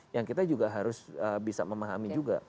yang kita juga harus bisa memahami juga